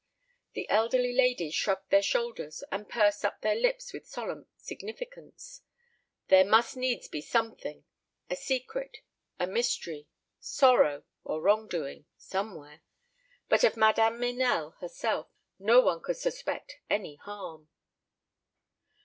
The elderly ladies shrugged their shoulders and pursed up their lips with solemn significance. There must needs be something a secret, a mystery, sorrow, or wrong doing somewhere; but of Madame Meynell herself no one could suspect any harm.